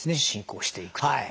進行していくと。